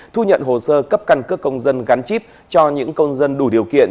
thu nhận hồ sơ cấp căn cước công dân gắn chip cho những công dân đủ điều kiện